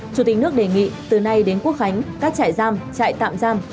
chủ tịch nước đề nghị từ nay đến quốc khánh các trại giam